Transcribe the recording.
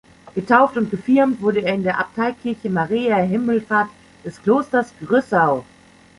Getauft und gefirmt wurde er in der Abteikirche Mariä Himmelfahrt des Klosters Grüssau.